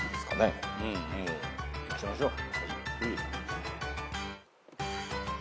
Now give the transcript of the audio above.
もういっちゃいましょう。